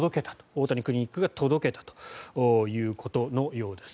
大谷クリニックが届けたということのようです。